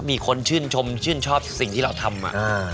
มีคนชื่นชมชื่นชอบสิ่งที่เราทำ